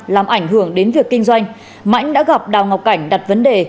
làm ảnh hưởng đến việc kinh doanh mãnh đã gặp đào ngọc cảnh đặt vấn đề